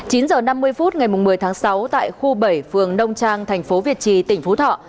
chín h năm mươi phút ngày một mươi tháng sáu tại khu bảy phường nông trang tp việt trì tỉnh phú thọ